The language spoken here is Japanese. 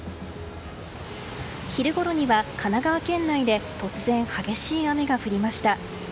昼ごろには神奈川県内で突然、激しい雨が降りました。